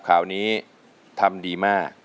วันนี้ทำดีมาก